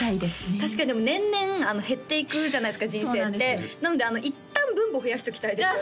確かにでも年々減っていくじゃないですか人生ってなのでいったん分母増やしときたいですよね